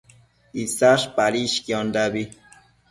Isash padishquiondabi